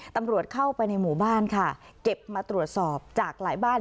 ตำรวจเข้าไปในหมู่บ้านค่ะเก็บมาตรวจสอบจากหลายบ้าน